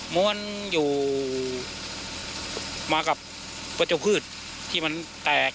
วนอยู่มากับพระเจ้าพืชที่มันแตก